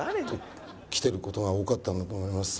きてる事が多かったんだと思います。